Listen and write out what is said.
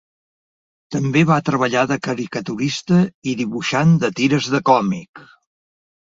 També va treballar de caricaturista i dibuixant de tires de còmic.